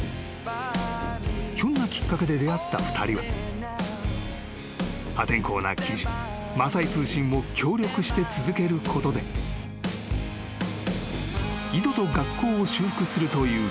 ［ひょんなきっかけで出会った２人は破天荒な記事「マサイ通信」を協力して続けることで井戸と学校を修復するという］